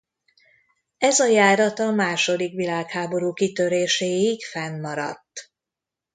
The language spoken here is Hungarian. Ez a járat a második világháború kitöréséig fennmaradt.